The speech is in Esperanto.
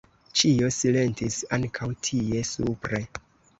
Ĉio silentis ankaŭ tie supre.